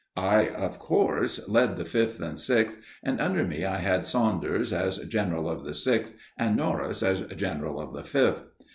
I, of course, led the Fifth and Sixth, and under me I had Saunders, as general of the Sixth, and Norris, as general of the Fifth.